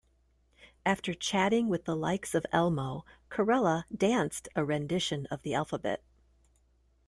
After chatting with the likes of Elmo, Corella danced a rendition of the alphabet.